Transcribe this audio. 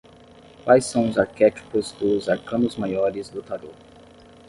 Quais são os arquétipos dos arcanos maiores do Tarô?